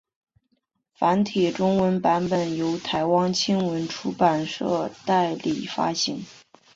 繁体中文版本由台湾青文出版社代理发行。